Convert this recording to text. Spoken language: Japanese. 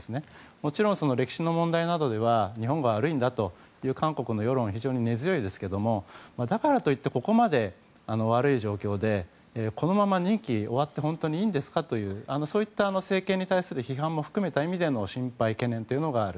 もちろん、歴史の問題などでは日本が悪いんだという韓国の世論は根強いですがだからといってここまで悪い状況でこのまま任期が終わって本当にいいんですかというそういった政権に対する批判も含めた意味での心配・懸念がある。